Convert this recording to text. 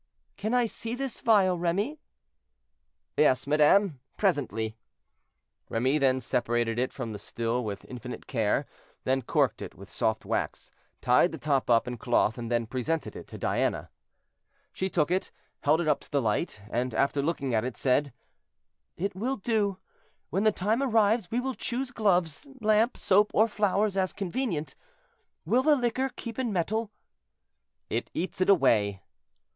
"—"Can I see this phial, Remy?" "Yes, madame, presently." Remy then separated it from the still with infinite care, then corked it with soft wax, tied the top up in cloth, and then presented it to Diana. She took it, held it up to the light, and, after looking at it, said: "It will do; when the time arrives we will choose gloves, lamp, soap, or flowers, as convenient. Will the liquor keep in metal?"—"It eats it away."